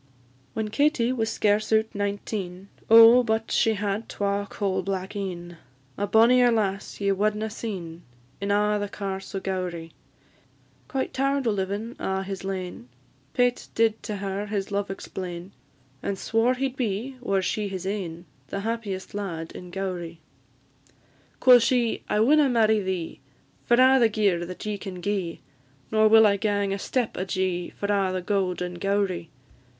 "_ When Katie was scarce out nineteen, Oh, but she had twa coal black een! A bonnier lass ye wadna seen In a' the Carse o' Gowrie. Quite tired o' livin' a' his lane, Pate did to her his love explain, And swore he 'd be, were she his ain, The happiest lad in Gowrie. Quo' she, "I winna marry thee, For a' the gear that ye can gi'e; Nor will I gang a step ajee, For a' the gowd in Gowrie.